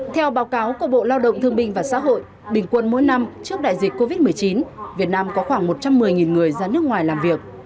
theo báo cáo của bộ lao động thương binh và xã hội bình quân mỗi năm trước đại dịch covid một mươi chín việt nam có khoảng một trăm một mươi người ra nước ngoài làm việc